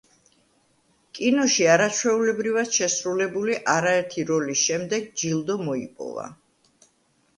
კინოში არაჩვეულებრივად შესრულებული არაერთი როლის შემდეგ ჯილდო მოიპოვა.